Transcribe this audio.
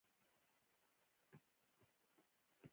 • اور حیوانات له انسانانو لرې ساتل.